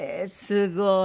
すごい。